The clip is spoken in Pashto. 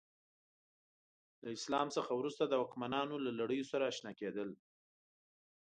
له اسلام څخه وروسته د واکمنانو له لړیو سره اشنا کېدل.